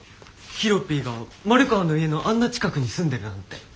ヒロピーが丸川の家のあんな近くに住んでるなんて。